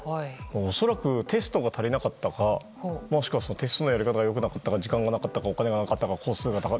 恐らくテストが足りなかったかもしくはテストのやり方がよくなかったか時間がなかったかお金がなかったか。